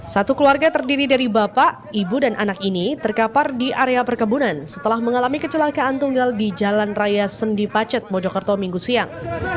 satu keluarga terdiri dari bapak ibu dan anak ini terkapar di area perkebunan setelah mengalami kecelakaan tunggal di jalan raya sendi pacet mojokerto minggu siang